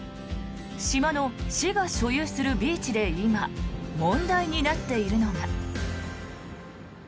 島の市が所有するビーチで今、問題になっているのが。